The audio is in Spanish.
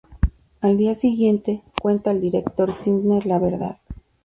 Al día siguiente, cuenta al Director Skinner la verdad.